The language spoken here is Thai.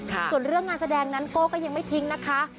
ส่วนเรื่องงานแสดงนั้นโก้ก็ยังไม่ทิ้งนะคะ